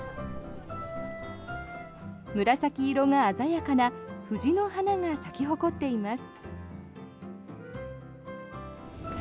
紫色が鮮やかな藤の花が咲き誇っています。